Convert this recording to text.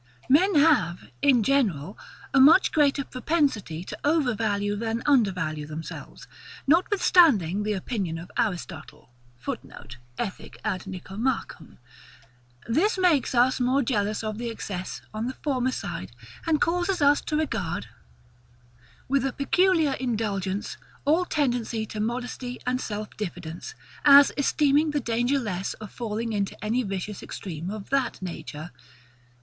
Men have, in general, a much greater propensity to overvalue than undervalue themselves; notwithstanding the opinion of Aristotle [Footnote: Ethic. ad Nicomachum.]. This makes us more jealous of the excess on the former side, and causes us to regard, with a peculiar indulgence, all tendency to modesty and self diffidence; as esteeming the danger less of falling into any vicious extreme of that nature.